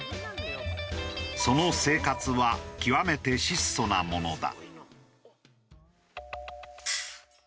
その生活は極めて質素なものだ。